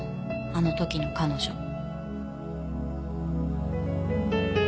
あの時の彼女。